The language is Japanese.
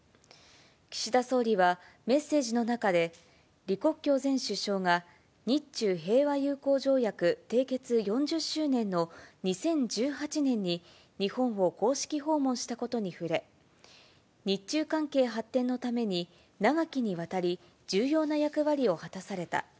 岸田総理は、メッセージの中で、李克強前首相が、日中平和友好条約締結４０周年の２０１８年に日本を公式訪問したことに触れ、日中関係発展のために長きにわたり、重要な役割を果たされた。